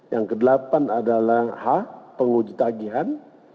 yang kedelapan adalah h penguji tagihan